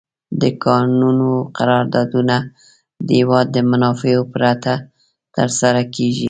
د کانونو قراردادونه د هېواد د منافعو پرته تر سره کیږي.